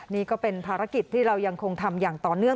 นี่ก็เป็นภารกิจที่เรายังคงทำอย่างต่อเนื่อง